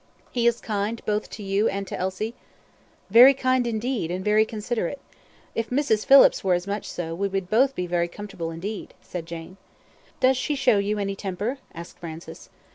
"He is kind both to you and to Elsie?" "Very kind indeed, and very considerate. If Mrs. Phillips were as much so, we would both be very comfortable indeed," said Jane. "Does she show you any temper?" asked Francis.